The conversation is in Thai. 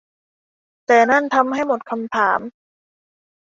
แต่นั่นทำให้หมดคำถาม